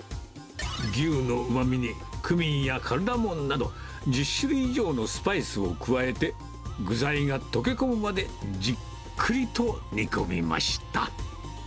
牛のうまみにクミンやカルダモンなど、１０種類以上のスパイスを加えて、具材が溶け込むまでじっくりと煮込みました。